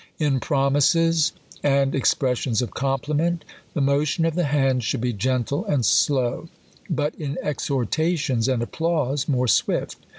In promises, and ex pressions of compliment, the motion of the hands should be gentle and slow; but in exhortations and applause, more swift.